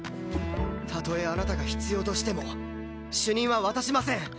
たとえあなたが必要としても主任は渡しません。